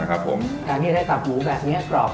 ทางที่ได้ตับหมูขมูกแบบนี้กรอบ